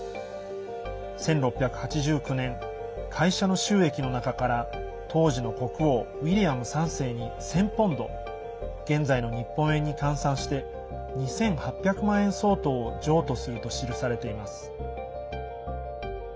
１６８９年、会社の収益の中から当時の国王ウィリアム３世に１０００ポンド現在の日本円に換算して２８００万円相当を譲渡すると記されています。